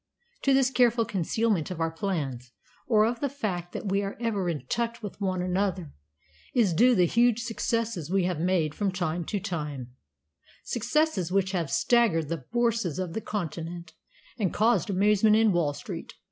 To this careful concealment of our plans, or of the fact that we are ever in touch with one another, is due the huge successes we have made from time to time successes which have staggered the Bourses of the Continent and caused amazement in Wall Street.